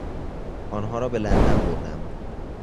آنها را به لندن بردم.